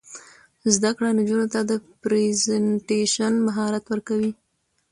زده کړه نجونو ته د پریزنټیشن مهارت ورکوي.